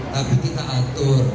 tapi kita atur